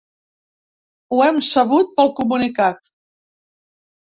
Ho hem sabut pel comunicat.